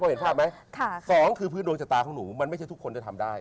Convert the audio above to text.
เห็นภาพไหมสองคือพื้นดวงชะตาของหนูมันไม่ใช่ทุกคนจะทำได้